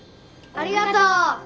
ありがとう！